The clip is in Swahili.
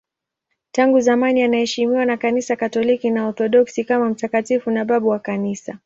Tangu zamani anaheshimiwa na Kanisa Katoliki na Waorthodoksi kama mtakatifu na babu wa Kanisa.